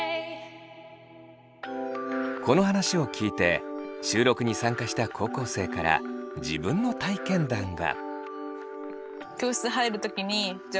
この話を聞いて収録に参加した高校生から自分の体験談が。